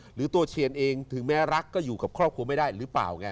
หรือตัวเชียนเองถึงแม้รักก็อยู่กับครอบครัวไม่ได้หรือเปล่าไง